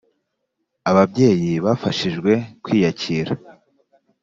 Ababyeyi bafashijwe kwiyakira